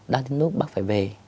đã đến lúc bác phải về